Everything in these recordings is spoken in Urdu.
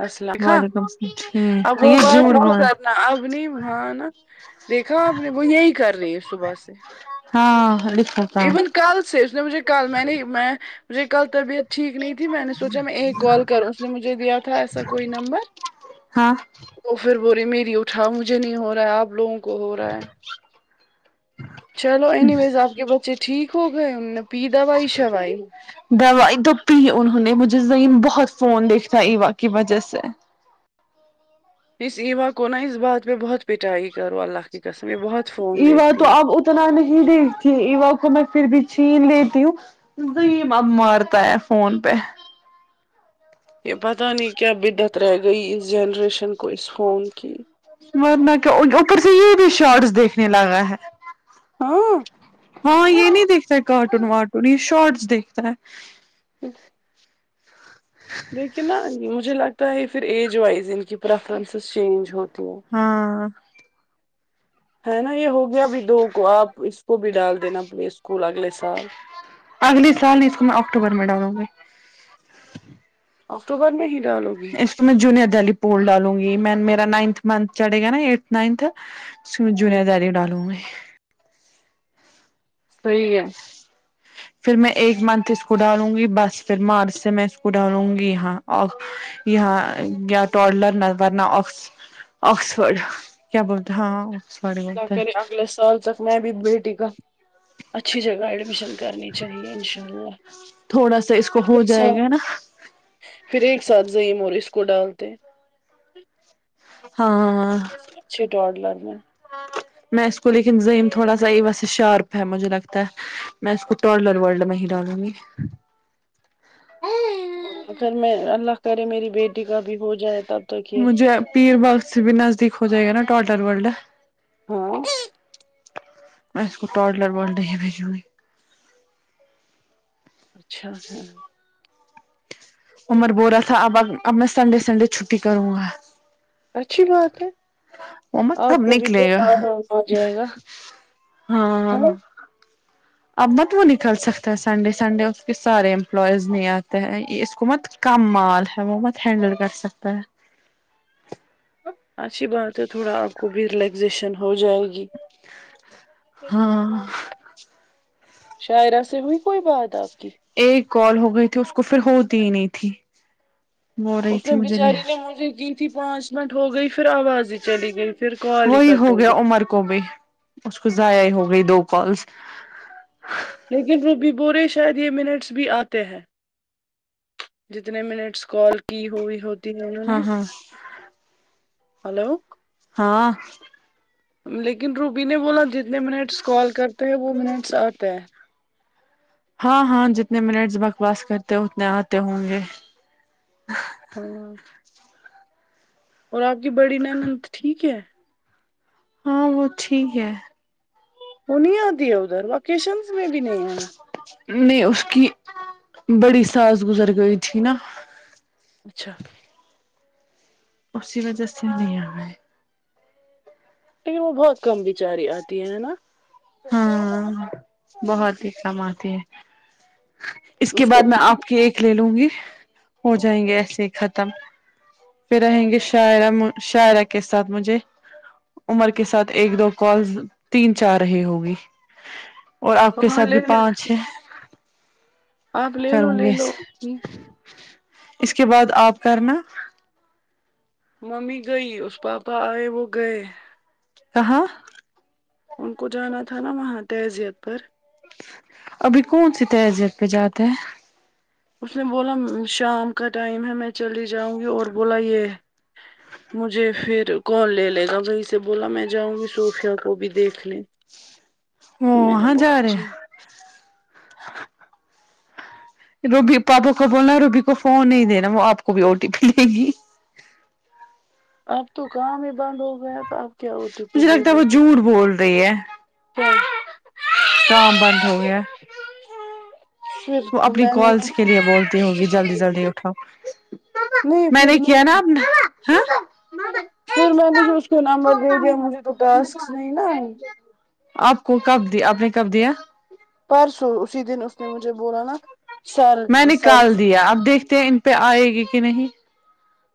مسئلہ دیکھا وعلیکم السلام اب ٹھیک وہ یہ بات جھوٹ بول کرنا اب نہیں مان دیکھا آپ نے وہ یہی کر رہی ہے صبح سے ہاں لکھو ایون کل سے اس نے مجھے کل میں نے میں میری کل طبیعت ٹھیک نہیں تھی میں نے سوچا میں ایک کال کراوں اس نے مجھے دیا تھا ایسا کوئی نمبر ہاں وہ پھر بو رہی میری اٹاؤ مجھے نہیں ہو رہا ہے آپ لوگوں کو ہو رہا ہے چلو اینی ویز آپ کے بچے ٹھیک ہو گئے ان دوائی توپی انہوں نے مجھے ذمین بہت فون دیکھتا ایوا کی وجہ سے اس ایوا کونا اس بات پے بہت پٹائیی کروا لق کسم بہت فون ایوا تو دیکھتی ہے اب اتنا نہیں دیکھتی ایوا کو میں پھر بھی چھین لیتی ہوں ز اب مارتا ہے فون پہ یہ پتہ نہیں کیا بدعت رہ گئی اس جنریشن کو اس فون کی ورنا کے اوپر سے یہ بھی شارٹس دیکھنے لگا ہے ہاں ہاں یہ نہیں دیکھتا ہے کارٹون وارٹون یہ شارٹس دیکھتا ہے دیکھیے نا مجھے لگتا ہے پھر ایج وائز ان کی پریفرنسز چینج ہوتی ہیں ہاں ہے نا یہ ہو گیابھی دو کو آپ اس وہ بھی ڈال دینا آپ اسکول اگے سال اگلے سال نہیں اس کو میں اکٹوبر میں ڈالوں گی اکتوبر میں ہی ڈالو گی میں جونیئر دہلی پول ڈالوں گی میں میرا نائنتھ منتھ چڑے گا نا ایٹتھ نائنتھ اس میں جنییا داری ڈالوں میں وہی ہے پھر میں ایک منتھ اس کو ڈالوں گی بس پھر مارچ سے میں اس کو ڈالوں گی یہاں اور یہاں یا ٹوڈلر نہ ورنہ آ آکسفورڈ کیا بولتا ہاں آکسفورڈ ہی کیا بولتے کرے ہیں اگلے سال تک میں ابھی بیٹی کا اچھی جگہ ایڈمیشن کرنی چاہیے ان شاء اللہ تھوڑا سا اس کو ہو جائے گا نا پھر ایک ساتھ زعم اور اس کو ڈالتے ہاں آ اچھے ڈاڈلر میں میں اس کو لیکن زم تھوڑا سا ہی ویسے شارپ ہے مجھے لگتا ہے میں اس کو ٹر ورلڈ میں ہی ڈالوں گی اگر میں اللہ کرے میری بیٹی کا بھی ہو جائے تب تک یہ مجھے پیر باغ سے بھی نزدیک ہو جائے گا نا ٹاٹر ورلڈ ہاں میں اس کو ٹلر بول بھیجوں گی اچھا ہاں عمر بول رہا تھا اب ا اب میں سنڈے سنڈے چھٹی کروں گا اچھی بات ہے وہ مت آپ کب کو بھی تو نکلے گا آ جائے گا ہاں اب مت وہ نکل سکتا ہے سنڈے سنڈے اس کے سارے امپلائیز نہیں آتے ہیں اس کو مت کم مال ہے وہ بہت ہینڈل کر سکتا ہے اچھی بات ہے تھوڑا آپ کو بھی ریلیکزیشن ہو جائے گی ہاں شاعرہ سے ہوئی کوئی بات آپ کی ایک کال ہو گئی تھی اس کو پھر ہوتی ہی نہیں تھی وہ رہی اس نے تھی مجھے نہا [unintelligible] تھی پانچ منٹ ہو گئی پھر آواز ہی چلی گئی پھر کال ہی وہی ہو کٹ گیا گئی عمر کو بھی اس کو ضائع ہی ہو گئی دو کالس لیکن روبی بورے شاید یہ منٹس بھی آتے ہیں جتنے منٹس کال کی ہوئی ہو ہاں ہاں ہیلو [unintelligible] ہاں لیکن روبی نے بولا جتنے منٹس کال کرتے ہیں وہ منٹس آتے ہیں ہاں ہاں جتنے منٹس بکواس کرتے اتنے آتے ہوں گے ہاں اور آپ کی بڑی نند ٹھیک ہے ہاں وہ ٹھیک ہے وہ نہیں آتی ہے ادھر وکیشنس میں بھی نہیں آئی نہیں اس کی بڑی ساس گزر گئی تھی نا اچھا اسی وجہ سے نہیں آۓ لیکن وہ بہت کم بچاری آتی ہے نا ہاں بہت ہی کم آتی ہے اس کے بعد میں آپ کی ایک لے لوں گی ہو جائیں گے ایسے ختم پھر رہیں گے شاعرہ ما شاعرہ کے ساتھ مجھے عمر کے ساتھ ایک دو کالز تین چار رہی ہوگی اور آپ کے ہاں ساتھ لے بھی لینا پانچ ہے آپ لے لو کروں لے گے لو اس کے بعد آپ کرنا ممی گئی اس پاپا آئے وہ گئے کہاں ان کو جانا تھا نا وہاں تہذیت پر ابھی کون سی تہذیت پہ جاتے ہیں اس نے بولا شام کا ٹائم ہے میں چلی جاؤں گی اور بولا یہ مجھے پھر کال لے لے گا وہیں سے بولا میں جاؤں گی صوفیہ کو بھی دیکھ لے او و ہاں جا رہے روبی پاپا کو بولنا روبی کو فون نہیں دینا وہ آپ کو بھی او ٹی پی لے گی اب تو کام ہی بند ہو گیا تو آپ کیا او ٹی پی مجھے لو لگتا ہے گی وہ جھوٹ بول رہی ہے [inaudible] کام بند ہو گیا پھر وہ تو اپنی میں نے کالس کے لیے بولتی ہوگی جلدی جلدی اٹھاؤ نہیں میں پھر نے کیا نا اپنا تو نمبر دے دیا مجھے تو ٹاسک نہیں نا آئی آپ کو کب دی آپ نے کب دیا پرسو اسی دن اس نے مجھے بولا نا سر میں سر نکال دیا اب دیکھتے ہیں ان پہ آئے گی کی نہیں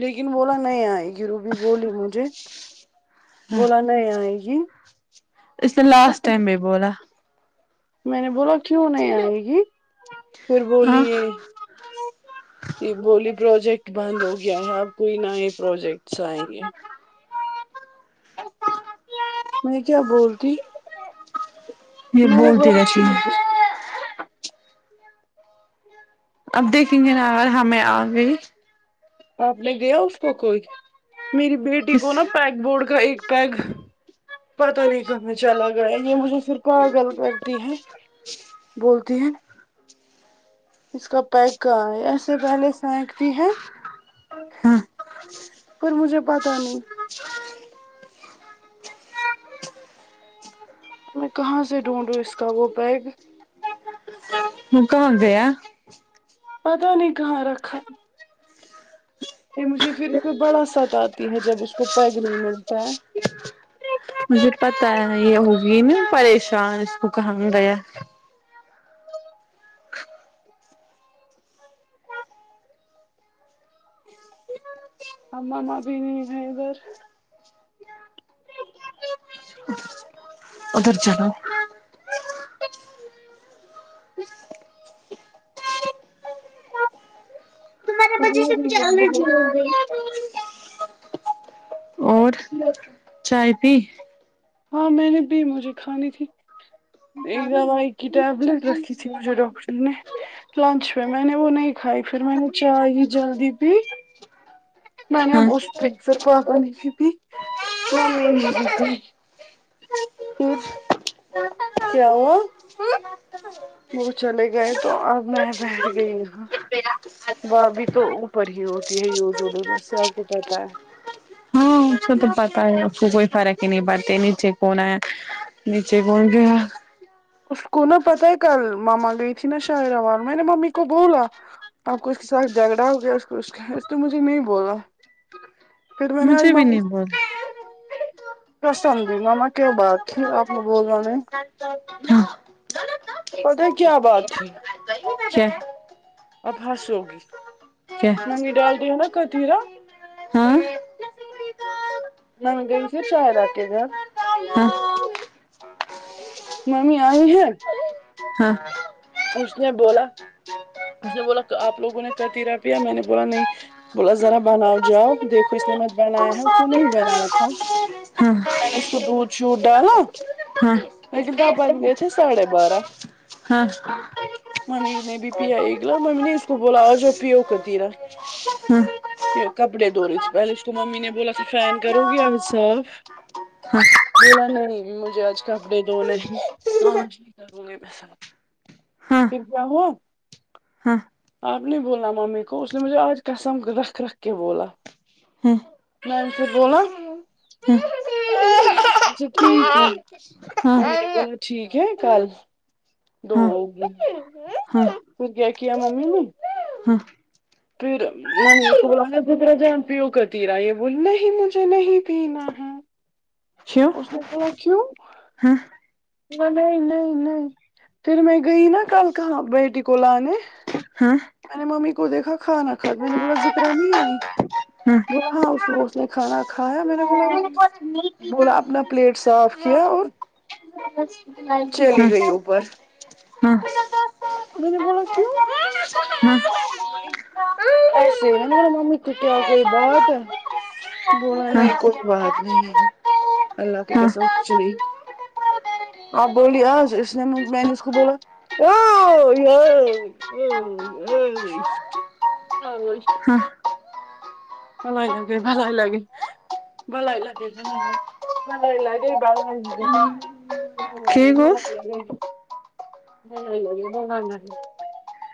لیکن بولا نہیں آئے گی روبی بولی مجھے بولا نہیں آئے گی اس نے لاسٹ ٹائم بھی بولا میں نے بولا کیوں نہیں آئے گی پھر ہاں بولیے یہ بولی پروجیکٹ بند ہو گیا ہے اب کوئی نہ یہ پروجیکٹس آئیں گے میں کیا بولتی یہ میں نے بولتی بولا رہتی ٹھیک ہے اب دیکھیں گے نا ہمیں آ گئی آپ نے گیا اس کو کوئی میری بیٹی کس کو نا پیک بورڈ کا ایک پیک پتا نہیں کہ میں چلا گیا یہ مجھے پھر پاگل کرتی ہے بولتی ہے اس کا پیک کہا ہے ایسے پہلے سینک بھی ہے ہاں پر مجھے پتا نہیں [inaudible] میں کہاں سے ڈھونڈوں اس کا وہ بیگ وہ کون دیا پتا نہیں کہاں رکھا یہ مجھے پھر بڑا ستا آتی ہے جب اس کو پیگ نہیں ملتا ہے مجھے پتا ہے یہ ہوگئی ن پریشان اس کو کہانگ گیا [inaudible] اماں بھی نہیں ہیں ادھر ادھر چلو وہ بھی ہے بہت [unintelligible] اور چائے پی ہاں میں نے بھی مجھے کھانی تھی ایک دوائی کی ٹیبلیٹ رکھی تھی مجھے ڈاکٹر نے لنچ میں میں نے وہ نہیں کھائی پھر میں نے چائے جلدی بھی میں نے اب ہاں اس مکسر [unintelligible] [inaudible] کیا ہو وہ چلے گئے تو اب میں بیٹھ گئی [unintelligible] وہ اب بھی تو اوپر ہی ہوتی ہے جوڑے جیسے آپ کو پتا ہے ہاں اس کو تو پتا ہے اس کو کوئی فرق ہی نہیں پڑتے نیچے کون آیا نیچے کون گیا اس کو نہا پتا ہے کل ماما گئی تھی نا شاروار میں نے ممی کو بولا آپ کو اس کے ساتھ جھگڑا ہو گیا اس اس اس نے مجھے نہیں بولا پھر میں نے آج مجھے بھی نہیں بول پسمدی ماما کیا بات ہے آپ بول رہانے [inaudible] پتا کیا بات تھی اچھا اب ہنسو گی کیا منگنی ڈال دی ہے نا کتیھییرا ہاں نا گئی س شاید آ کے گا [unintelligible] ممی آئی ہے ہاں اس نے بولا اس نے بولا آپ لوگوں نے کر تیرا پیا میں نے بولا نہیں بولا ذرا بناؤ جاؤ دیکھو اس نے مت بنایا ہے اس نے نہیں بنایا تھا ہاں میں نے اس کو دودھ شودھ ڈالا ہاں لیکن تو آچ گئے ا تھے ساڑھے بارہ ہاں ممی نے بھی پیا گلا ممی نے اس کو بولا اور ج اب پی ہو کر رہا ہمم یہ کپڑے دوری سے پہلے اس کو ممی نے بولا فین کرو گے آج صاف [unintelligible] بولا نہیں مجھے آج کپڑے دنے ہاں یہ کروں گی میں ساتھ پھر کیا ہوا ہاں آپ نے بولا ممی کو اس نے مجھے آج قسم رکھ رکھ کے بولا ہمم [unintelligible] ہاں اچھا ٹھیک ہے ممی ہاں نے بولا ٹھیک ہے کل دو ہو ہاں پھر کیا کیا اممی نے ہاں [unintelligible] جان پیو کا تیرا یہ بول نہیں مجھے نہیں پینا ہے کیوں اس نے بولا کیوں ہاں نہیں نہیں نہیں پھر میں گئی نا کل کہاں بیٹی کو لانے ہاں ہاں میں نے ممی کو دیکھا کھانا میں نے بولا ذکرا نہیں آئی بولا ہاں اس اس نے کھانا کھایا میں نے بولا کھا بولا اپنا پلیٹ صاف کیا اور چلی گئی ہمم اوپر ہمم میں نے بولا کیوں ہوں ایسے میں نے بولا مامی کیا کوئی بات ہے بول ہاں نہیں کوئی بات نہیں ہے اللہ کے ہاں قسم نہیں آ بولی آج اس نے میں نے اس کو بولا [unintelligible] ہاں ہمارے گھر سے بھگا لالی [unintelligible] ٹھیک ہو [unintelligible]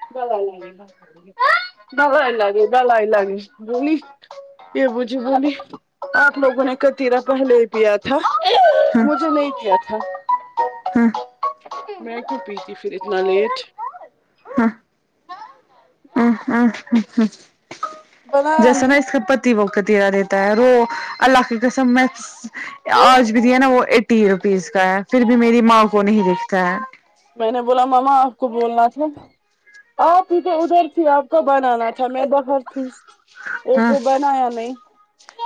[unintelligible] [unintelligible] آپ لوگوں نے کتییرا پہلے ہی پیا تھا مجھے نہیں کیا تھا ج [inaudible] میں کیوں پی تی پھر اتنا لیٹ ہاں ہ [inaudible] [unintelligible] [unintelligible] اللہ بنایا نہیں کی قسم میں آج بھی دیا نا وہ ایٹی روپیز کا ہے پھر بھی میری ماں کو نہیں دکھتا ہے میں نے بولا ماما آپ کو بولنا تھا آپ ہی تو ادھر کیوں آپ کو بنانا تھا میں باہر تھی ایک ہاں وہ بنایا نہیں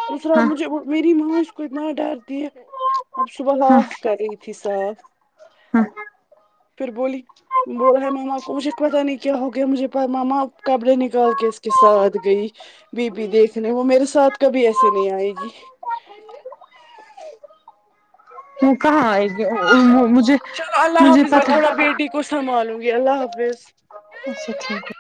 دوسرا ہاں مجھے و میری ماں اس کتنا نہ ڈر دیے اب صبح ہا ہاں کری تھی صاف ہاں پھر بولی بول رہ ہے ماما کوشک پتہ نہیں کیا ہو گیا مجھے ماما کپڑے نکال کے اس کے ساتھ گئی بی پی دیکھنے وہ میرے ساتھ کبھی ایسے نہیں ہوے گی وہ کہاں آئے گی مجھے چلو اللہ مجھے حافظ میں پتا تھوڑا بیٹی کو سنبھالوں گی اللہ حافظ اچھا ٹھیک ہے